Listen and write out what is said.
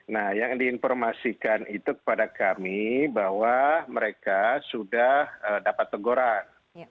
nah yang diinformasikan itu kepada kami bahwa mereka sudah dapat teguran